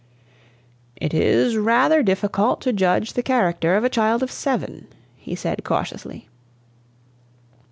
"It is rather difficult to judge of the character of a child of seven," he said cautiously.